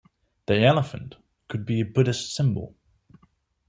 The elephant could be a Buddhist symbol.